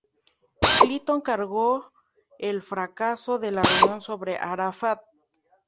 Clinton cargó el fracaso de la reunión sobre Arafat.